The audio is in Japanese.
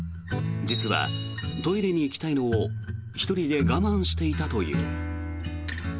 実は、トイレに行きたいのを１人で我慢していたという。